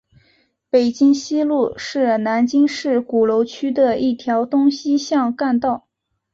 北京西路是南京市鼓楼区的一条东西向干道。